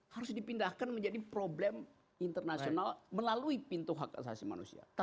harus dipindahkan menjadi problem internasional melalui pintu hak asasi manusia